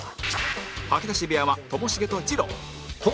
吐き出し部屋はともしげとじろう